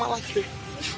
aku ada di dunia ini